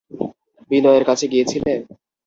বিনয়ের কাছে গিয়েছিলে?